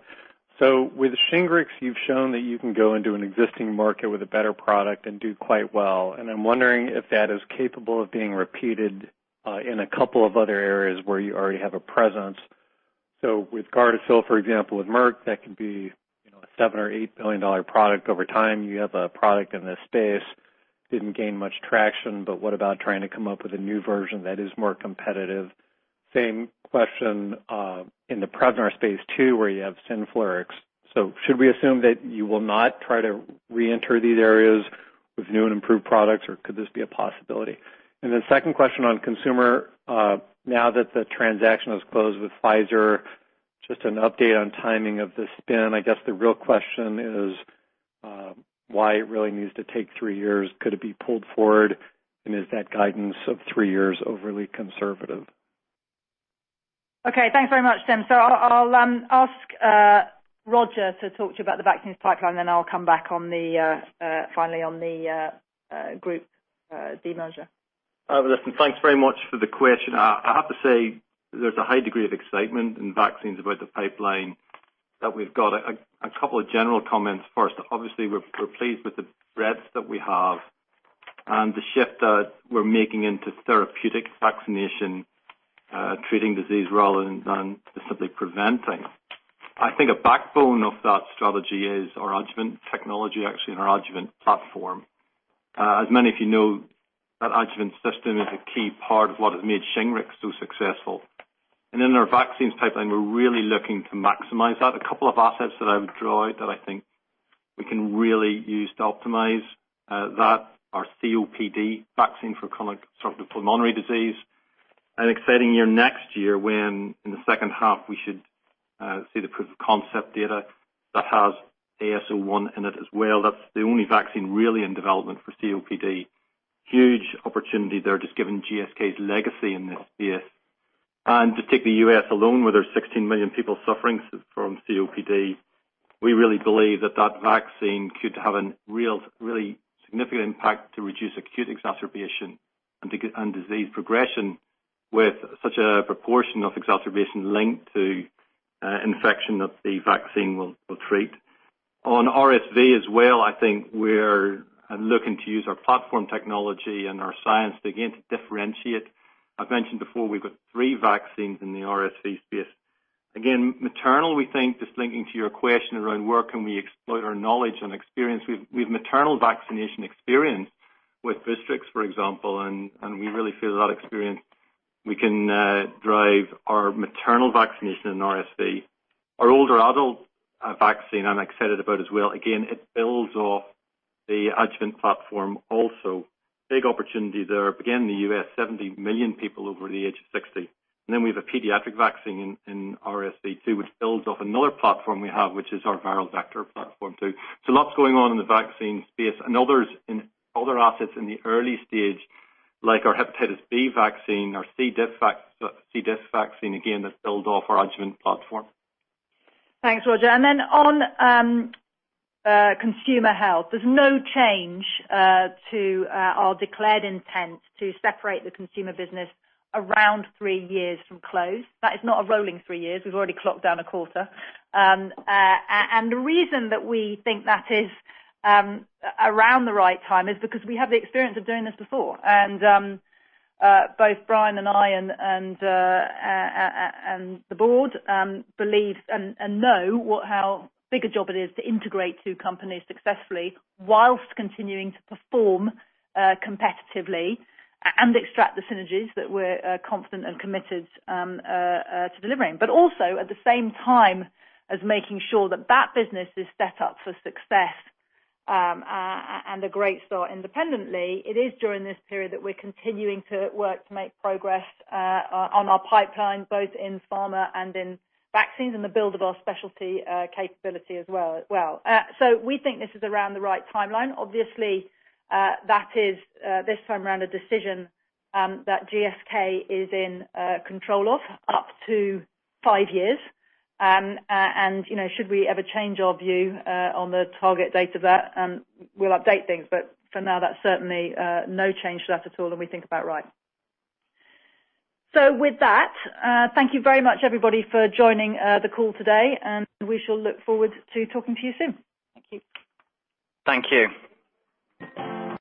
With Shingrix, you've shown that you can go into an existing market with a better product and do quite well. I'm wondering if that is capable of being repeated in a couple of other areas where you already have a presence. With GARDASIL, for example, with Merck, that can be a 7 billion or GBP 8 billion product over time. You have a product in this space, didn't gain much traction, but what about trying to come up with a new version that is more competitive? Same question in the Prevnar space too, where you have Synflorix. Should we assume that you will not try to reenter these areas with new and improved products, or could this be a possibility? Second question on Consumer, now that the transaction has closed with Pfizer, just an update on timing of the spin. I guess the real question is why it really needs to take three years. Could it be pulled forward? Is that guidance of three years overly conservative? Okay. Thanks very much, Tim. I'll ask Roger to talk to you about the vaccines pipeline, then I'll come back finally on the group demerger. Listen, thanks very much for the question. I have to say there's a high degree of excitement in vaccines about the pipeline that we've got. A couple of general comments first. Obviously, we're pleased with the breadth that we have and the shift that we're making into therapeutic vaccination, treating disease rather than simply preventing. I think a backbone of that strategy is our adjuvant technology, actually, and our adjuvant platform. As many of you know, that adjuvant system is a key part of what has made Shingrix so successful. In our vaccines pipeline, we're really looking to maximize that. A couple of assets that I would draw out that I think we can really use to optimize that are COPD, vaccine for chronic obstructive pulmonary disease. An exciting year next year when, in the second half, we should see the proof of concept data that has AS01 in it as well. That's the only vaccine really in development for COPD. Huge opportunity there, just given GSK's legacy in this space. To take the U.S. alone, where there's 16 million people suffering from COPD, we really believe that that vaccine could have a really significant impact to reduce acute exacerbation and disease progression with such a proportion of exacerbation linked to infection that the vaccine will treat. On RSV as well, I think we're looking to use our platform technology and our science, again, to differentiate. I've mentioned before, we've got three vaccines in the RSV space. Again, maternal, we think, just linking to your question around where can we exploit our knowledge and experience. We have maternal vaccination experience with BOOSTRIX, for example, and we really feel with that experience we can drive our maternal vaccination in RSV. Our older adult vaccine I'm excited about as well. It builds off the adjuvant platform also. Big opportunity there. In the U.S., 70 million people over the age of 60. We have a pediatric vaccine in RSV too, which builds off another platform we have, which is our viral vector platform too. Lots going on in the vaccine space and others in other assets in the early stage, like our hepatitis B vaccine, our C. diff vaccine, again, that builds off our adjuvant platform. Thanks, Roger. On consumer health, there's no change to our declared intent to separate the consumer business around 3 years from close. That is not a rolling 3 years. We've already clocked down a quarter. The reason that we think that is around the right time is because we have the experience of doing this before. Both Brian and I and the board believe and know how big a job it is to integrate two companies successfully whilst continuing to perform competitively and extract the synergies that we're confident and committed to delivering. At the same time as making sure that that business is set up for success and a great start independently. It is during this period that we're continuing to work to make progress on our pipeline, both in pharma and in vaccines, and the build of our specialty capability as well. We think this is around the right timeline. Obviously, that is, this time around, a decision that GSK is in control of up to five years. Should we ever change our view on the target date of that, we'll update things. For now, that's certainly no change to that at all, and we think about right. With that, thank you very much, everybody, for joining the call today, and we shall look forward to talking to you soon. Thank you. Thank you.